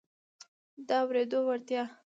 د اورېدو وړتیا